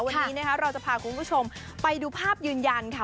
วันนี้นะคะเราจะพาคุณผู้ชมไปดูภาพยืนยันค่ะ